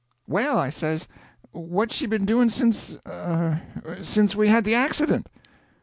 "Well," I says, "what's she been doing since—er—since we had the accident?"